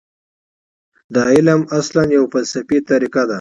دا علم اصلاً یوه فلسفي طریقه ده.